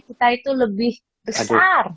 kita itu lebih besar